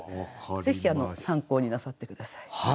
ぜひ参考になさって下さい。